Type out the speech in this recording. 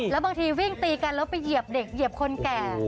แล้วบางทีวิ่งตีกันแล้วไปเหยียบเด็กเหยียบคนแก่